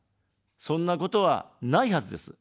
そんなことはないはずです。